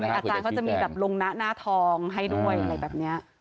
อาจารย์เขาจะมีแบบลงหน้าทองให้ด้วยอะไรแบบนี้